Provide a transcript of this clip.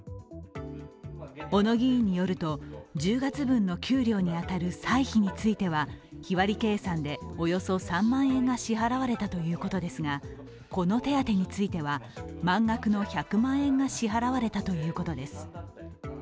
小野議員によると、１０月分の給料に当たる歳費については日割り計算でおよそ３万円が支払われたということですが、この手当については満額の１００万円が支払われたということです。